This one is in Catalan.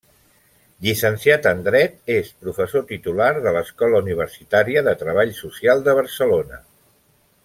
Llicenciat en Dret, és i professor titular de l'Escola Universitària de Treball Social de Barcelona.